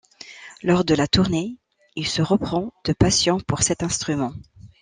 Lors de la tournée, il se reprend de passion pour cet instrument.